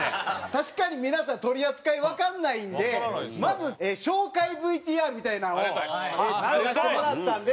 確かに皆さん取り扱いわかんないんでまず紹介ＶＴＲみたいなのを作らせてもらったんで。